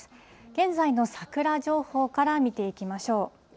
現在の桜情報から見ていきましょう。